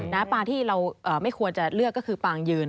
ปางที่เราไม่ควรจะเลือกก็คือปางยืน